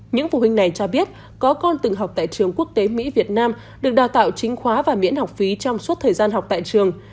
những phụ huynh này cho biết có con từng học tại trường quốc tế mỹ việt nam được đào tạo chính khóa và miễn học phí trong suốt thời gian học tại trường